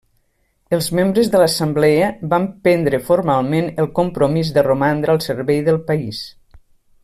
Els membres de l'Assemblea van prendre formalment el compromís de romandre al servei del país.